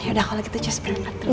yaudah kalo gitu cus berangkat dulu